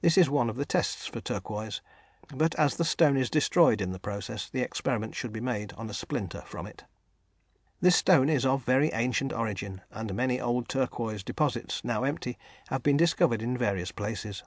This is one of the tests for turquoise, but as the stone is destroyed in the process, the experiment should be made on a splinter from it. This stone is of very ancient origin, and many old turquoise deposits, now empty, have been discovered in various places.